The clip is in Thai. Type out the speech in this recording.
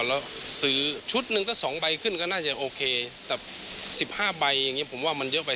แล้วซื้อชุดหนึ่งถ้า๒ใบขึ้นก็น่าจะโอเคแต่๑๕ใบอย่างนี้ผมว่ามันเยอะไป